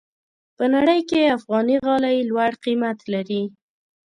په نړۍ کې افغاني غالۍ لوړ قیمت لري.